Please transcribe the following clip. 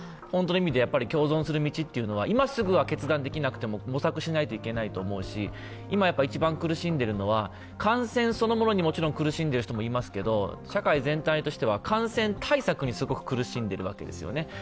本当の意味で共存する道というのは、今すぐは決断できなくても模索しなくちゃいけないと思うし今一番苦しんでいるのは感染そのものに苦しんでいる人もいますが社会全体として感染対策にすごく苦しんでいるんですよね。